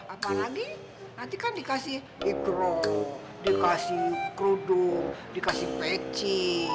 apa lagi nanti kan dikasih ikro dikasih kerudung dikasih peci